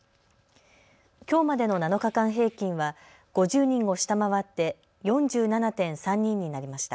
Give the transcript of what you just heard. きょうまでの７日間平均は５０人を下回って４７．３人になりました。